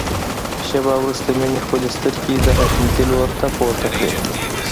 شېبه وروسته مينې خپلې سترګې د حشمتي لوري ته پورته کړې.